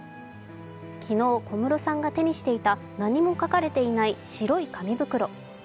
昨日、小室さんが手にしていた何も書かれていない白い紙袋。